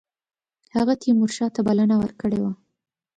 هغه تیمورشاه ته بلنه ورکړې وه.